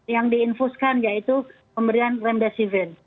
yang diinfuskan yaitu pemberian remdesivin